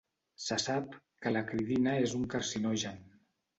Se sap que l'acridina és un carcinogen.